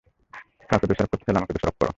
কাউকে দোষারোপ করতে চাইলে আমাকে দোষারোপ করো।